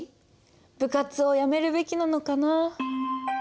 部活をやめるべきなのかな？